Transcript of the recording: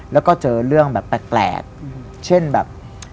แล้วก็เจอเรื่องแบบแปลกเช่นแบบ